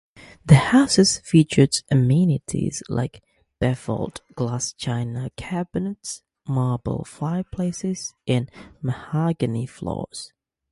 The houses featured amenities like "beveled-glass china cabinets, marble fireplaces and mahogany floors".